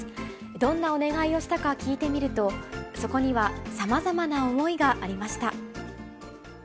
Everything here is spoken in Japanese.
どんなお願をしたか聞いてみると、そこにはさまざまな思いがありました。